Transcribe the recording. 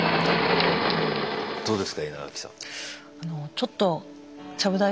どうですか稲垣さん？